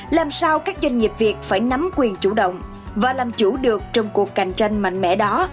làm sao các doanh nghiệp việt phải nắm quyền chủ động và làm chủ được trong cuộc cạnh tranh mạnh mẽ đó